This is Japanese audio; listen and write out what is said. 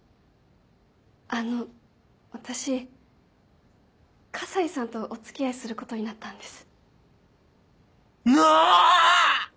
あの私河西さんとお付き合いすることになったんです。